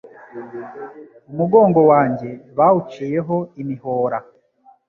Umugongo wanjye bawuciyeho imihora